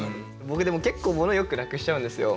僕でも結構物をよくなくしちゃうんですよ。